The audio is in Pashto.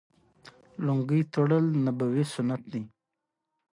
که حباب د خپلې اندازې نه لږ غټ شي.